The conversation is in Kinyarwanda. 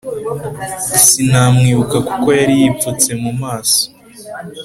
Sinamwibuka kuko yariyipfutse mumaso